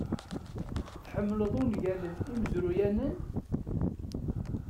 Tḥemmled ungalen imezruyanen?